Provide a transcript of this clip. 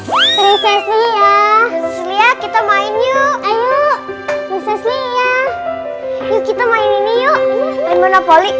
prinses ini ya kita main yuk